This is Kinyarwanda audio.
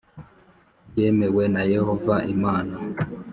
byemewe na Yehova Imana